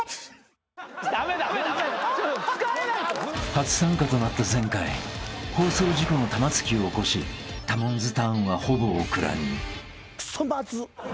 ［初参加となった前回放送事故の玉突きを起こしタモンズターンはほぼお蔵に］